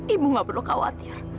ibu gak perlu khawatir